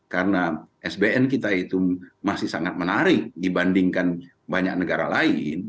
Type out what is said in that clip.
karena sbn kita itu masih sangat menarik dibandingkan banyak negara lain